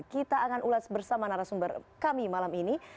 kita akan ulas bersama narasumber kami malam ini